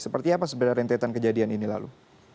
seperti apa sebenarnya rentetan kejadian ini lalu